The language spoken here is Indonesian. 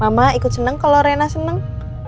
mama ikut seneng kalau rena senang